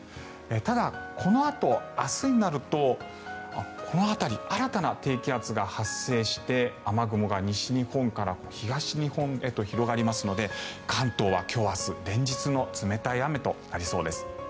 ただ、このあと明日になるとこの辺り新たな低気圧が発生して雨雲が西日本から東日本へと広がりますので関東は今日明日連日の冷たい雨となりそうです。